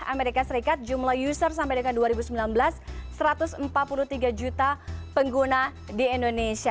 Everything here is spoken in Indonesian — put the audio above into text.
amerika serikat jumlah user sampai dengan dua ribu sembilan belas satu ratus empat puluh tiga juta pengguna di indonesia